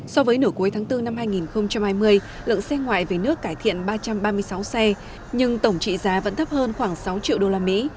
so với nửa cuối tháng bốn năm hai nghìn hai mươi lượng xe ngoại về nước cải thiện ba trăm ba mươi sáu xe nhưng tổng trị giá vẫn thấp hơn khoảng sáu triệu đô la mỹ